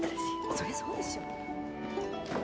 そりゃそうでしょ